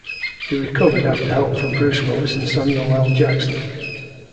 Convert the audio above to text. He recovered after help from Bruce Willis and Samuel L. Jackson.